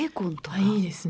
いいですね。